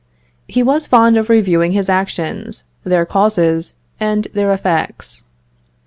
He was fond of reviewing his actions, their causes, and their effects.